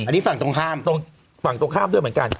อันนี้ฝั่งตรงข้ามตรงฝั่งตรงข้ามด้วยเหมือนกัน